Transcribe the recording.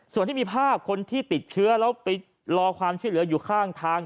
ส่วนที่มีภาพคนที่ติดเชื้อแล้วไปรอความช่วยเหลืออยู่ข้างทาง